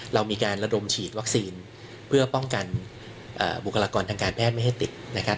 เรามีการระดมฉีดวัคซีนเพื่อป้องกันบุคลากรทางการแพทย์ไม่ให้ติดนะครับ